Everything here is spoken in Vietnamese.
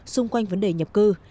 xung quanh vấn đề nhập cư